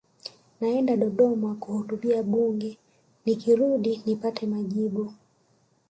naenda dodoma kuhutubia bunge nikirudi nipate majibu